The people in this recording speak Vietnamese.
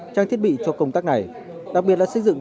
trang thiết bị cho công tác này đặc biệt là xây dựng